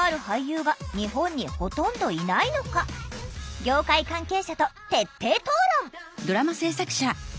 業界関係者と徹底討論！